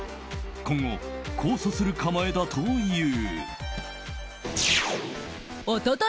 今後、控訴する構えだという。